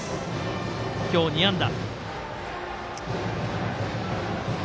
今日２安打。